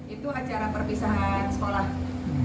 itu acara perpisahan sekolah